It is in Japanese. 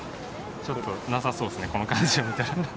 ちょっとなさそうですね、この感じを見たら。